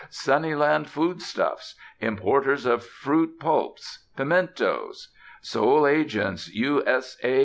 "Sunnyland Foodstuffs," "Importers of Fruit Pulps, Pimentos," "Sole Agents U. S. A.